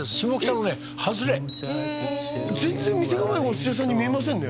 全然店構えお寿司屋さんに見えませんね